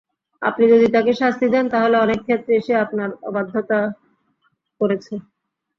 আপনি যদি তাকে শাস্তি দেন তাহলে অনেক ক্ষেত্রেই সে আপনার অবাধ্যতা করেছে।